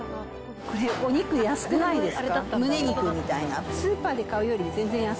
これ、お肉安くないですか？